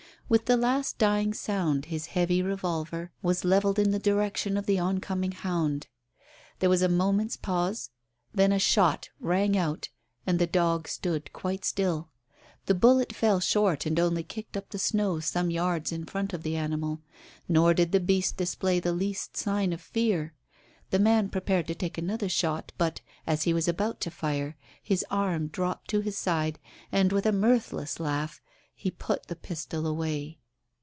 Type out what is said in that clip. With the last dying sound his heavy revolver was levelled in the direction of the oncoming hound. There was a moment's pause, then a shot rang out and the dog stood quite still. The bullet fell short and only kicked up the snow some yards in front of the animal, nor did the beast display the least sign of fear. The man prepared to take another shot, but, as he was about to fire, his arm dropped to his side, and, with a mirthless laugh, he put the pistol away.